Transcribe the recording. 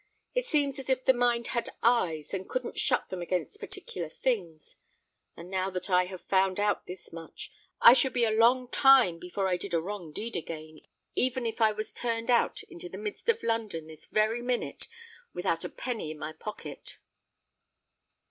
It seems as if the mind had eyes, and couldn't shut them against particular things;—and now that I have found out this much, I should be a long time before I did a wrong deed again, even if I was turned out into the midst of London this very minute without a penny in my pocket."